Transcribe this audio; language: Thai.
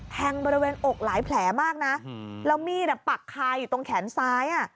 แทงบริเวณอกหลายแผลมากนะแล้วมีดอ่ะปักคาอยู่ตรงแขนซ้ายอ่ะ